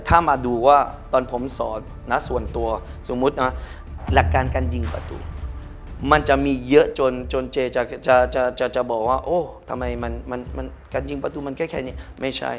ถ้ามาดูว่าตอนผมสอนนะส่วนตัวสมมุตินะหลักการการยิงประตูมันจะมีเยอะจนเจจะบอกว่าโอ้ทำไมมันการยิงประตูมันแค่นี้ไม่ใช่